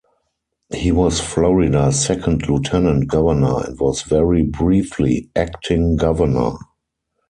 He was Florida's second Lieutenant Governor and was very briefly, acting Governor.